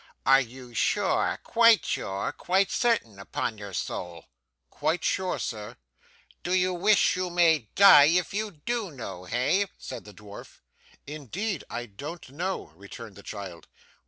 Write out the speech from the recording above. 'Are you sure, quite sure, quite certain, upon your soul?' 'Quite sure, sir.' 'Do you wish you may die if you do know, hey?' said the dwarf. 'Indeed I don't know,' returned the child.